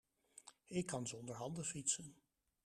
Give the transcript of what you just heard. Ik kan zonder handen fietsen.